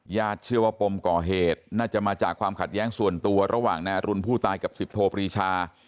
เชื่อว่าปมก่อเหตุน่าจะมาจากความขัดแย้งส่วนตัวระหว่างนายอรุณผู้ตายกับสิบโทปรีชา